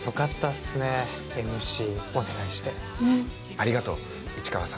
ありがとう市川さん